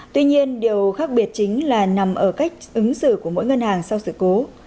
tuy nhiên điều khác biệt chính là nằm ở cách ứng xử của mỗi ngân hàng sau sự cố